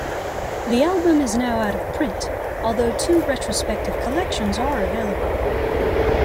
The album is now out of print, although two retrospective collections are available.